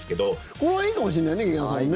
これ、いいかもしれないね劇団さんね。